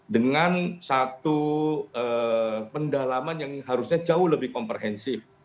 dengan satu pendalaman yang harusnya jauh lebih komprehensif